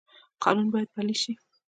قانون باید پلی شي